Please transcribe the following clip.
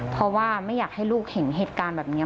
เพราะว่าไม่อยากให้ลูกเห็นเหตุการณ์แบบนี้